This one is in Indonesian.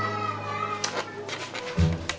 yakin masih tetep mau jadi copet